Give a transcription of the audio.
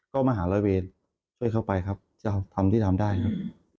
ก็มหาร้อยเวรช่วยเขาไปครับจะเอาทำที่ทำได้ครับ